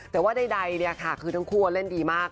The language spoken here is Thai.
แต่ว่าใดเนี่ยค่ะคือทั้งคู่เล่นดีมาก